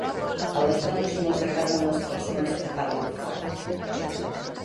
A les dones no els agraden les persones que parlen fort.